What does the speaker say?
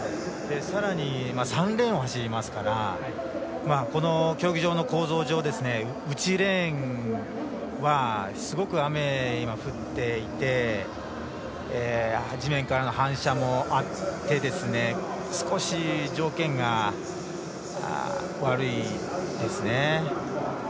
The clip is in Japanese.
さらに３レーンを走りますからこの競技場の構造上、内レーンはすごく雨、降っていて地面からの反射もあって少し条件が悪いですね。